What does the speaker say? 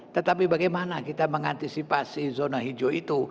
tetapi bagaimana kita mengantisipasi zona hijau itu